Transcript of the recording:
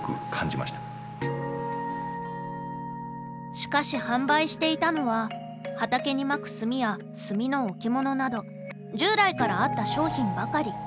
しかし販売していたのは畑にまく炭や炭の置物など従来からあった商品ばかり。